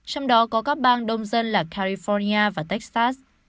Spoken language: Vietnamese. trong đó có các bang đông dân là california và texas